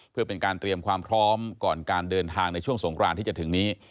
เพื่อเป็นการเตรียมความพร้อมก่อนการเดินทางในช่วงสงครานที่จะถึงนี้